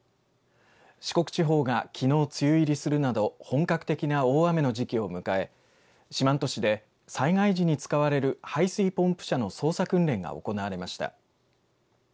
四国地方がきのう梅雨入りするなど本格的な大雨の時期を迎え四万十市で災害時に使われる排水ポンプ車の操作訓練が行われました。